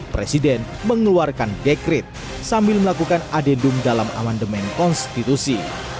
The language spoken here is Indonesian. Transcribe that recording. presiden mengeluarkan dekret sambil melakukan adendum dalam amendement konstitusi